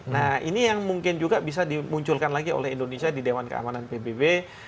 nah ini yang mungkin juga bisa dimunculkan lagi oleh indonesia di dewan keamanan pbb